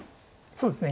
そうですね。